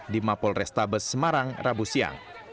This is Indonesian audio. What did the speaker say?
di mapol restabes semarang rabu siang